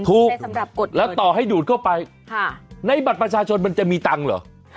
สำหรับแล้วต่อให้ดูดเข้าไปในบัตรประชาชนมันจะมีตังค์เหรอ